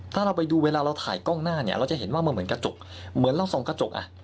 ถ้าเราไปดูเวลาเราถ่ายกล้องหน้าเนี่ยเราจะเห็นว่ามันเหมือนกระจกเหมือนเราส่องกระจกอ่ะ